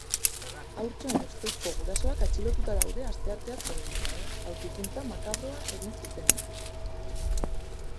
Haurtxoen ustezko gurasoak atxilotuta daude astearteaz geroztik, aurkikuntza makabroa egin zutenetik.